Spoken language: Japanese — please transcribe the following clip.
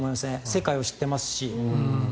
世界を知っていますし。